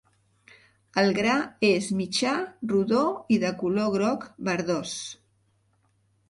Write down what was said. El gra és mitjà, rodó i de color groc verdós.